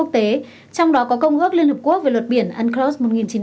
trong đó có công ước liên hợp quốc về luật biển unclos một nghìn chín trăm tám mươi hai